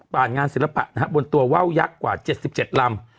งานศิลปะบนตัวว่าวยักษ์กว่า๗๗ลำ